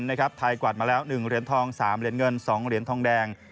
ไทยกวาดมาแล้ว๑เหรียญทอง๓เหรียญเงิน๒เหรียญทองแดง